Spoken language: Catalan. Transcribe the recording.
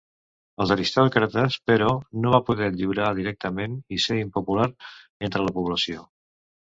Els aristòcrates, però, no va poder lliurar directament i ser impopular entre la població.